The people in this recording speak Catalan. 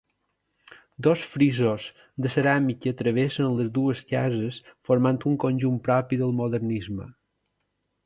Dos frisos de ceràmica travessen les dues cases formant un conjunt propi del modernisme.